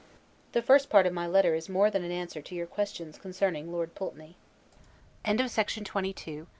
The first part of my letter is more than an answer to your questions concerning Lord Pulteney. LETTER XLV LONDON, July, 20, O.